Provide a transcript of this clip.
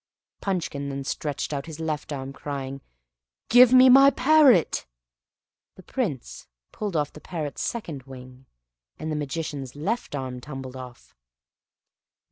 Punchkin then stretched out his left arm, crying, "Give me my parrot!" The Prince pulled off the parrot's second wing, and the Magician's left arm tumbled off.